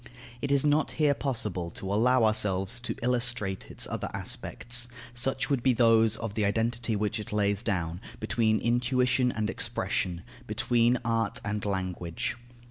It is not here possible to allow ourselves to illustrate its other aspects, such as would be those of the identity, which it lays down, between intuition and expression, between art and language.